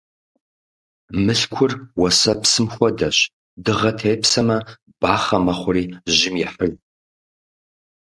Мылъкур уэсэпсым хуэдэщ: дыгъэ тепсэмэ, бахъэ мэхъури, жьым ехьыж.